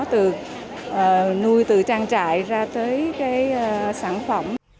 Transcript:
từ nuôi từ trang trại ra tới sản phẩm